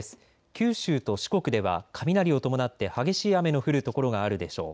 九州と四国では雷を伴って激しい雨の降る所があるでしょう。